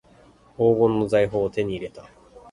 黄金の財宝を手に入れた